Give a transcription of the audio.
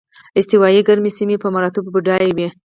استوایي ګرمې سیمې په مراتبو بډایه وې.